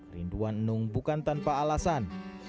rinduan enung bukan tanpa alasan